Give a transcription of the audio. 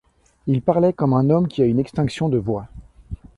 Il parlait comme un homme qui a une extinction de voix.